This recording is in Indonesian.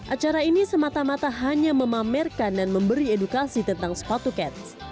acara ini semata mata hanya memamerkan dan memberi edukasi tentang sepatu cats